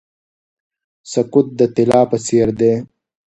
سکوت د طلا په څیر دی.